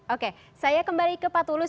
oke saya kembali ke pak tulus